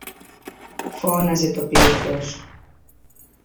φώναζε το πλήθος.